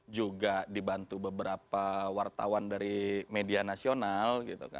juga dibantu beberapa wartawan dari media nasional